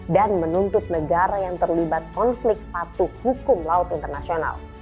dan menuntut negara yang terlibat konflik patuh hukum laut internasional